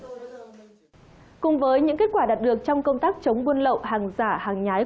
cùng với những kết quả đạt được trong công tác chống buôn lậu hàng giả hàng nhái